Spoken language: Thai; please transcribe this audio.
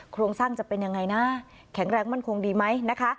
โครงสร้างจะเป็นยังไงนะแข็งแรงมั่นคงดีไหมนะคะ